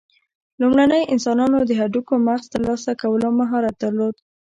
لومړنیو انسانانو د هډوکو مغز ترلاسه کولو مهارت درلود.